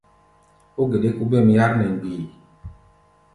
Ó geɗɛ́k óbêm yár nɛ mgbií.